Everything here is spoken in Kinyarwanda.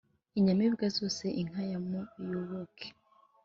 inyamibwa zose inka ya muyoboke